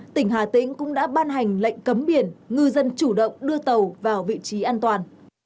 tỉnh hà tĩnh cũng đã ban hành lệnh cấm biển ngư dân chủ động đưa tàu vào vị trí an toàn